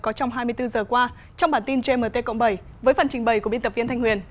có trong hai mươi bốn giờ qua trong bản tin gmt cộng bảy với phần trình bày của biên tập viên thanh huyền